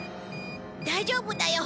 大丈夫だよ。